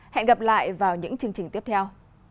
hẹn gặp lại vào những chương trình tiếp theo